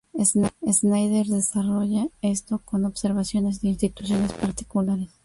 Snyder desarrolla esto con observaciones de instituciones particulares.